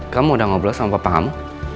kamu udah ngobrol sama papa kamu